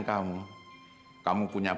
lalu bureau likasi